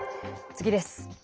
次です。